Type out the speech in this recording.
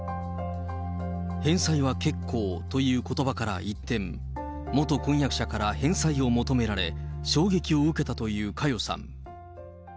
返済は結構ということばから一転、元婚約者から返済を求められ、衝撃を受けたという佳代さん。